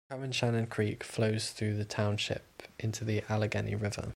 Cowanshannock Creek flows through the township into the Allegheny River.